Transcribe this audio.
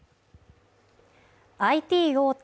ＩＴ大手